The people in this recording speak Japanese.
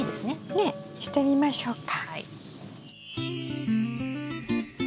ねえしてみましょうか。